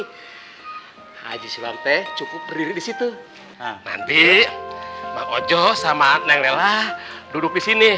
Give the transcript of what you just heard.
hai haji silam teh cukup berdiri disitu nanti makojo sama adnan rela duduk di sini